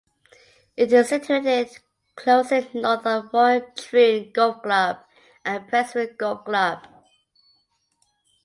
It is situated closely north of Royal Troon Golf Club and Prestwick Golf Club.